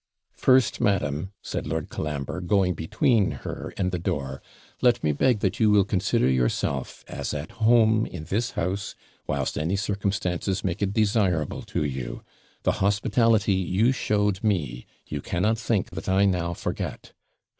'First, madam,' said Lord Colambre, going between her and the door, 'let me beg that you will consider yourself as at home in this house, whilst any circumstances make it desirable to you. The hospitality you showed me you cannot think that I now forget.'